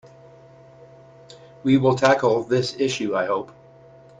We will tackle this issue, I hope.